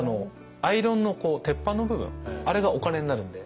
アイロンの鉄板の部分あれがお金になるんで。